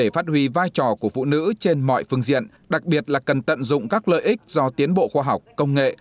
phát huy vai trò của phụ nữ trên mọi phương diện đặc biệt là cần tận dụng các lợi ích do tiến bộ khoa học công nghệ